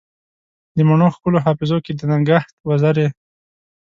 د مڼو ښکلو حافظو کې دنګهت وزرې